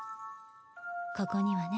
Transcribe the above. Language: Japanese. ここにはね。